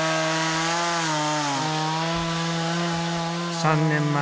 ３年前。